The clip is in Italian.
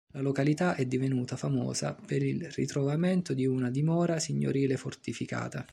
La località è divenuta famosa per il ritrovamento di una dimora signorile fortificata.